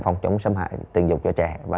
phòng chống xâm hại tình dục cho trẻ và